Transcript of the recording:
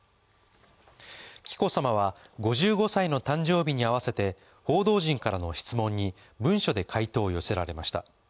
紀子さまは５５歳の誕生日に合わせて報道陣からの質問に文書で回答を寄せられました。